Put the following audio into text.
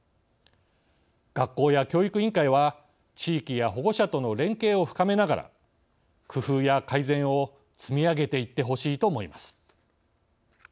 学校や教育委員会は地域や保護者との連携を深めながら工夫や改善を積み上げていってほしいと思います。